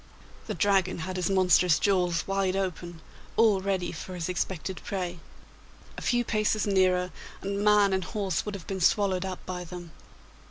The Dragon had his monstrous jaws wide open, all ready for his expected prey. A few paces nearer, and man and horse would have been swallowed up by them!